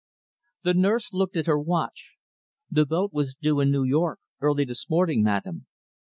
The nurse looked at her watch. "The boat was due in New York, early this morning, madam."